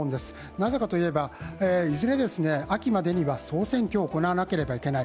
なぜかといえば、いずれ秋までには総選挙を行わなければいけない。